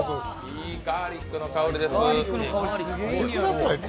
いいガーリックの香りです。